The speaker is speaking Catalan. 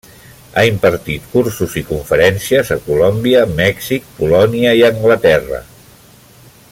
Ha impartit cursos i conferències a Colòmbia, Mèxic, Polònia i Anglaterra.